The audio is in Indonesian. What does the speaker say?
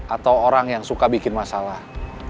atau orang yang suka bikin masalah